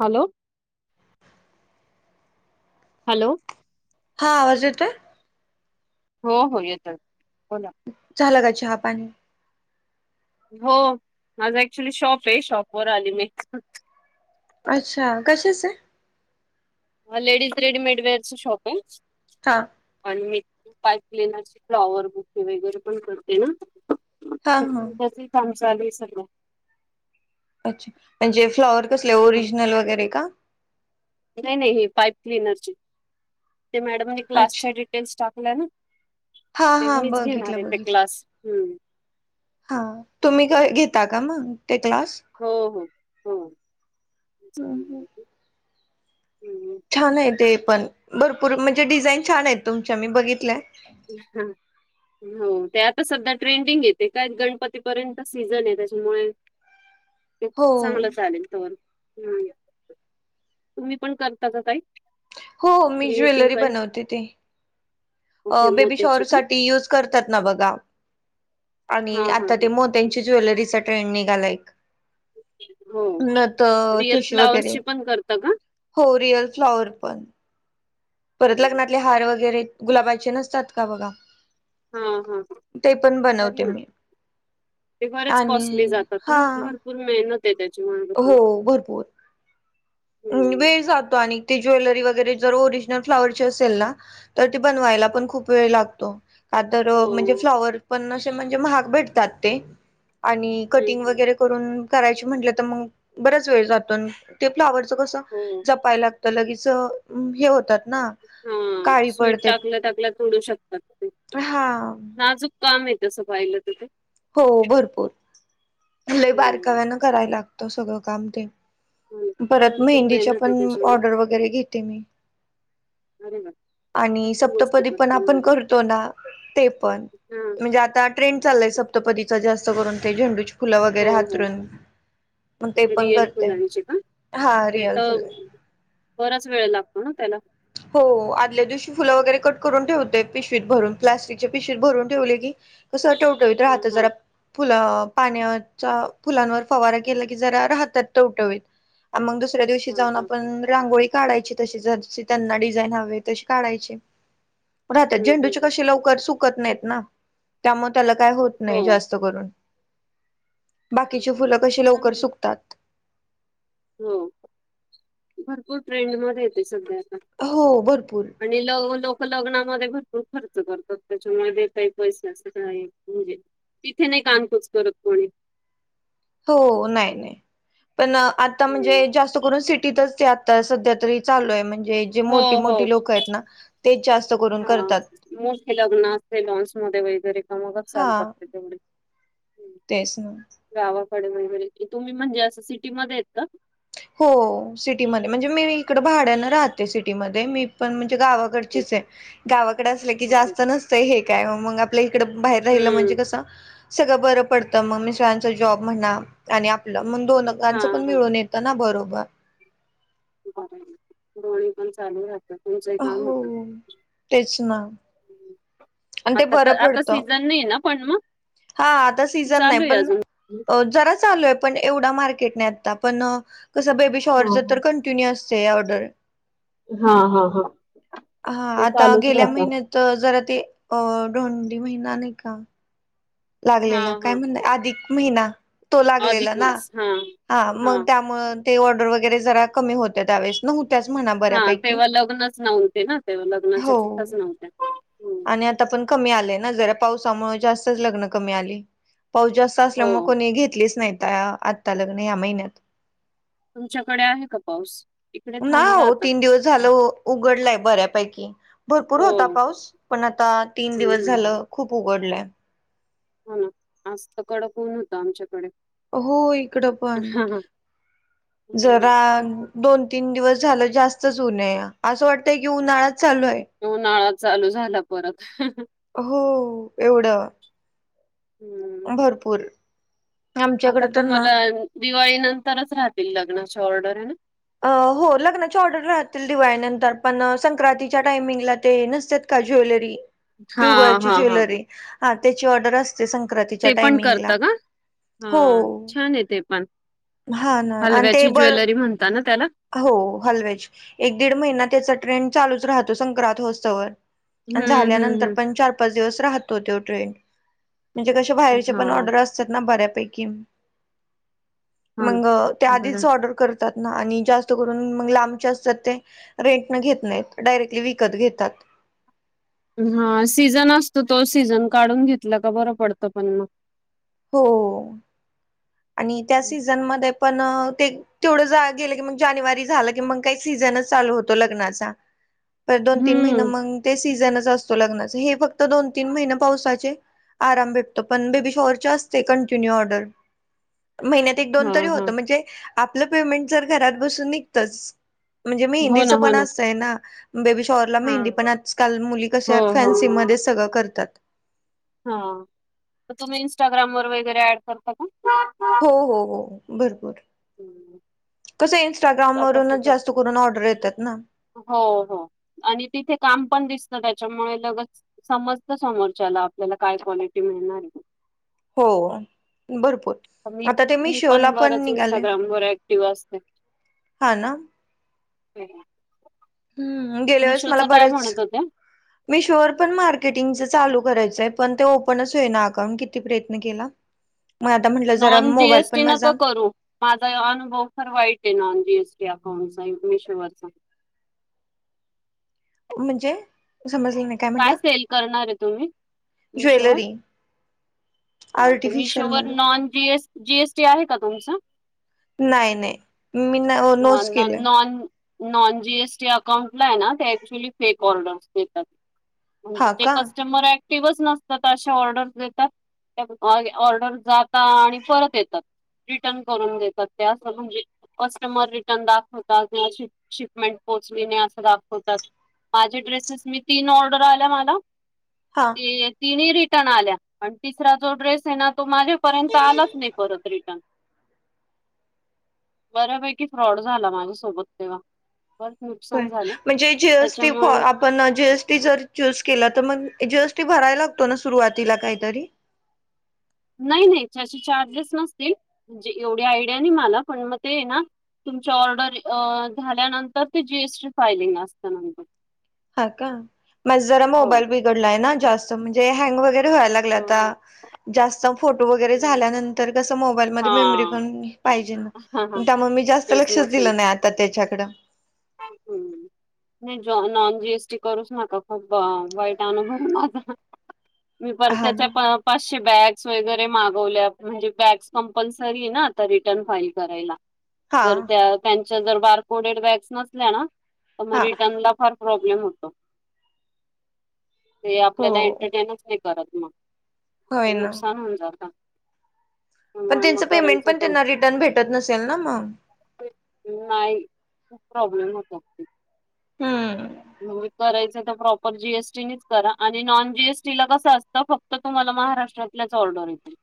Hello! Hello! हां आवाज येतोय? हो हो येतय, बोला. झाल का चहा पाणी? हो माझा ऍक्च्युली शॉप आहे शॉप वर आले मी. अच्छा! कशाच आहे? लेडीज रेडीमेडवेअरच शॉप आहे. हा. आणि मी पाईप लेनची फ्लाॉवर बुके वगैरे पण करते ना. हा हा च आमच्या [unintelligible] आले चालुये सगळ. अच्छा! म्हणजे फ्लॉवर कसले हं. ओरिजनल वगैरे का? नाही नाही हे पाईप क्लिनरची ते मॅडमने क्लासच्या अच्छा डिटेल्स टाकल्या ना. हा ते हा मीच घेणार बघितलं आहे ते बघितलं क्लास, हम्म. हा तुम्ही का घेता का मग ते क्लास? हो हो हो. [inaudible] छान आहे ते पण भरपूर म्हणजे डिझाईन छान आहेत तुमच्या मी बघितल्या. हा. हो ते आता सध्या ट्रेंडिंग येते काय गणपतीपर्यंत सीझन आहे त्याच्यामुळे. खूपच हो चांगलं चालेल तोवर. ह, तुम्ही पण करतात काही? हो मी क्रिएटिव्ह ज्वेलरी काही बनवते ते. ओके अ बेबी शॉअर मोत्याची का साठी यूज करतात ना बघा हा आणि हा आता हा ते मो त्यांची ज्वेलरीचा ट्रेंड आलय एक. हो [inaudible] न तर रिअल ठुशी वगैरे. फ्लावर्सची पण करता का हो रियल फ्लाॉवर पण. परत अरे वा. लग्नातले हार वगैरे गुलाबाचे नसतात का बघा. हा हा हा, ते पण घरी बनवते ना. मी ते बरेच आणि कॉस्टली जातात हा ना भरपूर मेहनत आहे त्याच्यामुळे. हो भरपूर‌ हम्म वेळ जातो आणि ते ज्वेलरी वगैरे जर ओरिजिनल फ्लावरची असेल ना तर् ती बनवायला पण खूप वेळ लागतो. कां तरं म्हणजे हो फ्लॉवर पणं, असे म्हणजे महांग भेटतात तें आणि कटिंग हम्म वगैरें. करूंन करायची म्हंटले, तर् मगं बरांच वेळ जातो ते फ्लॉवरच कसं हो जपायला. - तर अ लगेच हें होतात नां. - हांअ स्वीट टाकलं टाकल्या तोडू शकतात तें हा नाजूक. कामं आहे. तसं पाहिलं तें. हो अ भरंपूर म्हं हम्म बारकांव्यान करायला लागतं सगळं कामं ते. हो ना. परतं भरपूर मेहंदीच्या मेहनत पण आहे त्याच्यामुळे ऑर्डर वगैरे घेते मीं. अरेनं. - आणि सप्तंपदी पण आपण करतो नां ते पणं. हा म्हणजे अ आता ट्रेंड चालयं सप्तंपतीचा जास्त. करून ते झेंडूची फुलं वगैरे हातरून. [inaudible] मग ते पण रियल करते फुलांचे कां? हा ते रिअल फुल तर् बराचं वेळ लागतो नां त्याला. - होंअ आदल्या दिवशी फुलं वगैरे कट करून ठेवतेय, पिशवीत भरून प्लास्टिकची पिशवीत भरून ठेवले कीं. - कसं ठेवटवीत हा राहात हा जरां फुलं. पाण्यांचा फुलांनवर फवांरा केला कीं जरां राहतातं टवटवीत मगं दू. दुसऱ्या दिवशी हा जाऊन. हा आपण रांगोळी काढायची तशी जशी् त्यांना डझाईन हवी तशी काढायचीं. पणं हम्म झेंडू हम्म कशी लवकर सूकं सूकत नाही नां त्यामुळे त्याला काई होत हो नाही. जास्त करूनं बाकीची फुलं कशी अ लवकर सुकतातं. होंअ भरपूर ट्रेंड मध्ये येते सगळे आतां. होंअ भरपूरं. आणि लव लोक लग्नामध्ये भरपूर खर्च करतात. त्याच्यामध्ये काही पैसे असं काही म्हणजे तिथे नाही कानंकूस करत कोणी. होव नाही-नाही पण आता्. म्हणजे हम्म. जास्त करून सिटीतच त्यां. तसं ते सध्या तरी् चालूयं म्हणजे. जें हो मोठी- हो मोठी लोक आहेत नां तेच जास्त करूनं करतात ते लॉन्स मध्ये वगैरे कमावत चालतात ते तेवढे. हम्म. तेचं ना. गावाकडे वगैरे तुम्ही म्हणजे असं सिटीमध्येध्ये येत कां. हों सिटीमध्ये म्हणजे मी इकडं भाड्यानं राहते. सिटीमध्ये मीं. पण म्हणजे ओके गावाकडचीचं आहे गावाकडे असल्या की जास्त नसतं हे काय मगं. - आपल्या ईकडं बाहेर राहिलं म्हणजे? हम्म कसं सगळं बाहेरं पडतं मग मिस्टरांचा जॉब म्हणा आणि आप्. मगं दोन हा गांचं पण हा मिळून येतं नां बरोबरं. बरं दोळे पण चालू राहातातं. होंअ तेचं नां. अन्ं ते आता बरं तर आता पडतं सीझन नाही ना पण मग हां आता. की सीझन नाही चालू आहे पणं. अजून ओवं जरा चालू आहे. पणं एवढा मार्केट नाही. आता पणं कसं बेबी हा शॉरच कं जूनी असते ऑडर हा हा हा हा हं ते आतां चालूच गेल्या राहता. महिन्यात. तर् जरा् तें अं धोंडी महिना नाही कां? हा लागलेला हा कायं म्हणनं आहे. अधिक महिनां तों लागलेला अधिक नां मास हा. हां हा मग त्यामुळे ते ऑर्डर वगैरे जरा् कमी होते त्यावेळे. नव्हत्याचं म्हणां हा बऱ्यापैकी तेव्हा लग्नच नव्हते ना तेव्हा लग्नाच्या होंवं. तिथंच नव्हत्या. हम्म. आणि आतां पणं कमी आलें नां. जरा् पावसांमुळे जास्तंच लग्नं कमी आली. पाऊस जास्तं हो असल्यामुळे कोणी घेतलीचं नाही त्यां आत्तां लग्न या्या महिन्यात. तुमच्याकडे आहे का पाऊस? इकडे ना थांबला आओ आता तीनं दिवसं झालं उघडलंय बऱ्यांपैकी. भरपूर हो होता पाऊस. पण आता तीन हम्म दिवस हम्म झालं खूप उघडलंय. हो ना. आज त कडक उन होतं आमच्याकडे. हो इकड पण. हम्म. जरा दोन तीन दिवस झालं जास्तच उने. असं वाटतंय की उन्हाळाच चालूये. उनळाच चालू झाला परत. हो एवढं. हम्म. भरपूर. आता आमच्याकडे तर ना तुम्हाला दिवाळी नंतरच राहतील, लग्नाची ऑर्डर हाय ना? अ हो लग्नाची ऑर्डर राहतील दिवाळीनंतर, पण संक्रांतीच्या टायमिंगला ते नसतात का ज्वेलरी हा तीळगूळाची हा हा ज्वेलरी, हा त्याची ऑर्डर असते, संक्रांतीच्या ते पण टायमिंगला. करता का? हा हो छाने ते पण. हा ना आणि ते हलव्याची बर ज्वेलरी म्हणत ना त्याला? हो हलव्याची. एक दीड महिना त्याचा ट्रेंड चालूच राहतो, संक्रांत होसतवर. अण हम्म हम्म झाल्यानंतर हम्म पण चार पाच दिवस राहतो तो ट्रेंड. म्हणजे कसं बाहेरचे हा पण ऑर्डरी असता तात ना, बऱ्यापैकी. हो ना. मग ते आधीच बरं ऑर्डर करतात ना. आणि जास्त करून, म लांबच्या असतात, ते रेंट न घेत नाहीत. डायरेक्टली विकत घेतात. हा सीझन असतो तो. सीझन काढून घेतला का, बरं पडतं पण मग. हो. आणि त्या सीझनमध्ये पण ते तेवढं जा गेलं की मग जानेवारी झालं की, मग काय सीझनच चालू होतो, लग्नाचा. दोन तीन महिने हम्म मग ते सीझनच असतो. लग्नाच. हे फक्त दोन, तीन, महिने पावसाचे आराम भेटतो. पण बेबी शॉअर च्या असते कंटिन्यू ऑर्डर. महिन्यात एक दोन हा तरी हा होत. म्हणजे, आपलं पेमेंट जर घरात बसून निघतच म्हणजे, मी हो ना मेंदीचं हो पण असतंय ना. बेबी शॉरला, हा मेहंदी पण आजकाल मुली हो कशा हो हो फॅन्सीमध्ये सगळं करतात. हा, म तुम्ही इनस्टाग्राम वर वगैरे ऍड करता का? हो, हो, हो, भरपूर. हम्म. कस इनस्टाग्राम आता वरुनच सध्या जास्त करून ऑर्डर येतात ना. हो, हो, आणि तिथे काम पण दिसत, त्याच्यामुळे लगच समजत समोरच्याला, आपल्याला, काय क्वालिटी मिळणारे. हो. भरपूर, तर मी आता ते मी मीशोला पण बरंच निघाले. इंस्टाग्राम वर हा ना? ह ह. हम्म, गेल्या वेळेस मला काय बऱ्याच म्हणत होत्या मीशोवर पण मार्केटिंगच चालू करायचंय. पण ते ओपनच होईना अकाउंट. किती प्रयत्न केला. मग आता म्हटलं जरा नॉन, जी मोबाईल एस पण टी माझा नका करू. माझा अनुभव फार वाईटे नाॉन जी एस टी अकाउंटचा. मेशोवरचा. म्हणज, समजले नाही. काय सेल करणारे तुम्ही? मिशोवर. ज्वेलरी हा त आर्टिफिशल मिशोवर मध्ये non G S, G S T आहे का तुमचं? नाही, नाही, मी नोच नॉन केलंय. नॉन नॉन जीएसटी अकाउंटलाय ना, ते ऍक्च्युली फेक ऑर्डर्स देतात. म्हणजे हा ते का कस्टमर ऍक्टिव्हच नसतात, अशा ऑर्डरस देतात. ऑर्डर जाता आणि परत येतात. रिटर्न करून देतात, ते असं म्हणजे, कस्टमर रिटर्न दाखवतात म अशी शिपमेंट पोहोचली नाही, असं दाखवतात. माझे ड्रेसेस मी तीन, ऑर्डर आल्या मला हा ती तिन्ही रिटर्न आल्या आणि तिसरा जो ड्रेस आहे, ना तो माझ्यापर्यंत आलाच नाही, परत रिटर्न बऱ्यापैकी फ्रॉड झाला, माझ्यासोबत तेव्हा पण होय म्हणजे, जी एस टी आप पण जी एस टी जर चूज केला, तर मग जी एस टी भरायला लागतो, ना सुरुवातीला काहीतरी नाही नाही त्याचे चार्जेस नसतील, म्हणजे एवढी आयडिया नाही, मला पण मग ते ना तुमच्या ऑर्डर झाल्यानंतर ते जी एस टी फायलिंग, असतं नंतर ह का माझं जरा हो मोबाईल बिघडलाय ना जास्त म्हणजे हँग वैगे रे व्हाय लागलय हां आता हां जास्त फोटो वगैरे हं. झाल्यानं तर कसं मोबाईलमध्ये हां मेमरी पण पाहिजे ना हां हां त्यामुळे मी जास्त स्पेस लक्षच दिलं नाही आ ता त्याच्याकडं. हम्म नाही ज नॉन जी एस टी करूच नका खूप वाईट अनुभव हे माझा मी परत हा त्याच्या ना पा चशे बॅग्स वगैरे मागवल्या म्हणजे बॅग्स कंपल्सरी हे ना आता रिटर्न फाईल करायला. हा जर त्या त्यांच्या जर बारकोडेड बॅग्स नसल्या ना तर मग हा रिटर्नला फार प्रॉब्लेम होतो ते हो आपल्याला एंटरटेनच नाही करत मग. ते होय ना नुकसान होऊन जातं. पण त्यामुळे मग त्यांचं पेमेंट करायचं पण तर त्यांना रिटर्न भेटत नसेल ना मग? नाही. खूप प्रॉब्लेम होत असतील. हम्म करायचं तर प्रॉपर जी एस टी नेच करा आणि नॉन जी एस टी ला कसं असतं फक्त क्त तुम्हाला महाराष्ट्रातल्याच ऑर्डर येतील.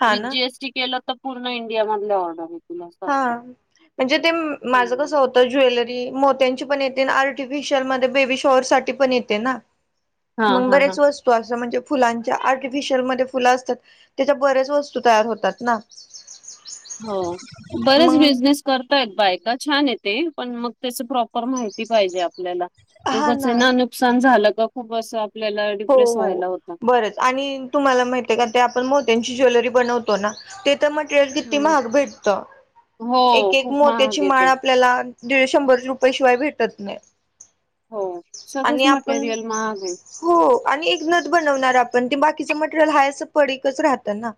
हा विथ ना जी एस टी केलं तर पूर्ण इंडिया मधलं ऑर्डर येते हा म्हणजे ते माझं हम्म. कसं होत ते ज्वेलरी मोत्यांची पण येते ना आर्टिफिशियल मध्ये बेबी शॉअर साठी पण येते ना. हा मग हा हा. बरेच वस तू अस म्हणजे फुलांच्या आर्टिफिशयल मध्ये फुलं असतात त्याच्या बऱ्याच वस्तू तयार होतात ना. हो बरेच मग बिझनेस करतायेत बायका छान आहे ते पण मग तसं प्रॉपर माहिती पाहिजे आपल्याला. उगच ना नुकसान झालं त खूप असं आपल्याला हो डिप्रेस हो व्हायला होतं. बरंच आणि तुम्हाला माहित आहे का ते आपण मोत्यांची ज्वेलरी बनवतो ना ते तर मटेरियल किती हम्म. महाग भेटतं हो एक एक खूप महाग मोत्याची आहे ते. माळ आ पल्याला दीड शंभर रुपये शिवाय भेटत नाही हो. सगळंच आणि आपण मटेरियल महाग हाय हो आणि एक नथ बनवणार आपण ते बाकीचं मटेरियल हाय असं पडिकच राहतं ना.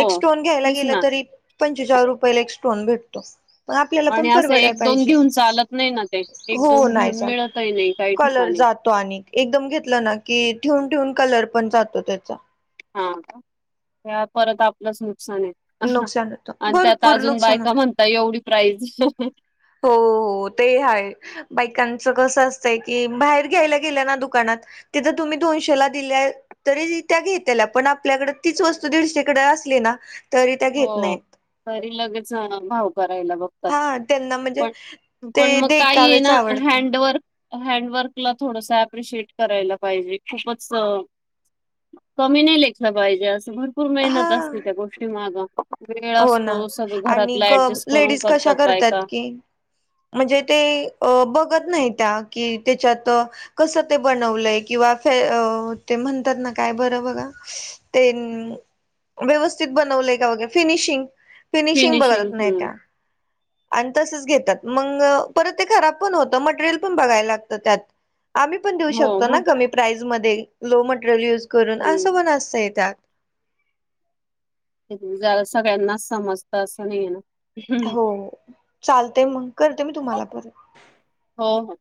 एक स्टोन घ्यायला तेच गेलं ना तरी पंचेचाळ रुपयाला एक स्टोन भेटतो. मग आपल्याला पण आणि असं परवडाय एक दोन पाहिजे घेऊन चालत नाही ना ते. एक हो दोन नाही घेऊन चाल मिळतही नाही काही कलर ठिकाणी. जात. तो आणि एकदम घेतला ना की ठेवून ठेऊन कलर पण जातो त्याचा. हा का त्या परत आपलंच नुकसान आहे. नुकसान होतं आणि त्यात भरपूर अजून नुकसान होत बायका म्हणताय एवढी प्राईज. हो हो ते आहे. बायकांच कसं असतय की बाहेर घ्यायला गेलं ना दुकानात. तिथ तुम्ही दोनशेला दिल्या. तरी त्या घेतल्या पण आपल्याकडे तीच वस्तू दीडशेकडे असली ना. तरी त्या घेत हो नाहीत तरी लगेच भाऊ करायला बघतो. हा त्यांना म्हणजे पण पण ते मग काही ये देखावेच ना आवडतं हँडवर्क. हँडवर्कला थोडस अप्रिशिएट करायला पाहिजे खूपच. कमी नाही लेखलं पाहिजे असं भरपूर हा मेहनत असते त्या गोष्टी माग. वेळ हो ना असतो सगळं आणि घरातला ग ऍडजस्ट करून लेडीज कशा करतात बायका की. म्हणजे ते अ बघत नाही त्या की त्याच्यात. कस ते बनवलंय किंवा ते म्हणतात ना काय बरं बघा. ते व्यवस्थित बनवलंय का वगै फिनिशिंग. फिनिशिंग बघत नाही त्या. आणि तसच घेतात मग परत ते खराब पण होतं मटेरियल पण बघायला लागतं त्यात. आम्ही पण देऊ हो शकतो मग ना कमी प्राईज मध्ये लो मटेरियल यूज करून हम्म असं पण असतंय त्यात. [inaudible] सगळ्यांनाच समजतं असं नाहीय ना. हो चालते मग करते मी तुम्हाला परत. हो हो.